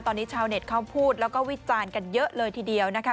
ตอนนี้ชาวเน็ตเขาพูดแล้วก็วิจารณ์กันเยอะเลยทีเดียวนะคะ